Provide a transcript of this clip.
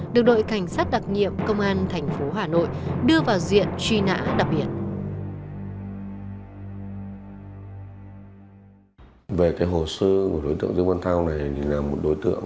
được đội cảnh sát đặc nhiệm công an thành phố hà nội